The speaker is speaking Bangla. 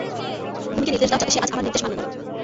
ভূমিকে নির্দেশ দাও, যাতে সে আজ আমার নির্দেশ মান্য করে।